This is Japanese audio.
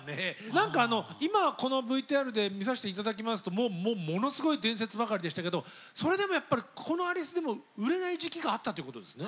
何か今このＶＴＲで見させて頂きますともうものすごい伝説ばかりでしたけどそれでもやっぱりこのアリスでも売れない時期があったということですね。